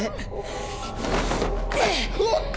うおっと。